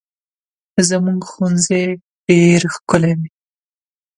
زموږ ښوونځی ډېر ښکلی دی.